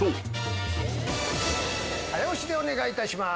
早押しでお願いいたします。